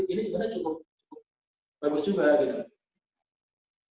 ini sebenarnya cukup bagus juga gitu